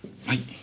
はい。